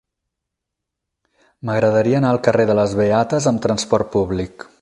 M'agradaria anar al carrer de les Beates amb trasport públic.